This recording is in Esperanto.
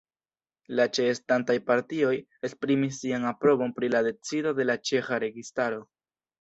La ĉeestantaj partioj esprimis sian aprobon pri la decido de la ĉeĥa registaro.